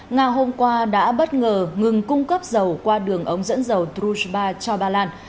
nga hôm qua đã bất ngờ ngừng cung cấp dầu qua đường ống dẫn dầu dreba cho ba lan